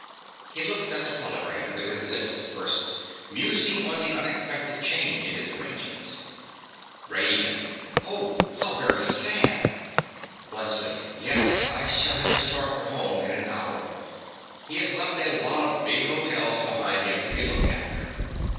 (He looks at the telegram with his lips pursed, musing on the unexpected change in his arrangements.) RAINA. Oh, how very sad! BLUNTSCHLI. Yes: I shall have to start for home in an hour. He has left a lot of big hotels behind him to be looked after.